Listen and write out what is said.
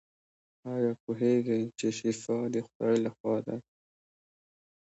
ایا پوهیږئ چې شفا د خدای لخوا ده؟